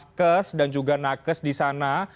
ada faskus dan juga nakes di sana